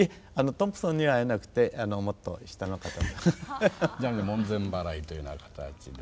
トンプソンには会えなくてもっと下の方。じゃ門前払いというような形で。